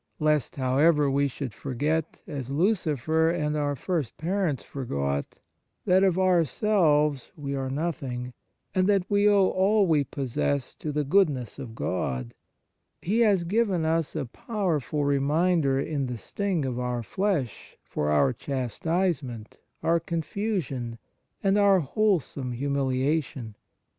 Lest, however, we should forget, as Lucifer and our first parents forgot, that of ourselves we are nothing, and that we owe all we possess to the goodness of God, He has given us a powerful reminder in the " sting of our flesh," for our chastisement, our confusion, and our wholesome humiliation.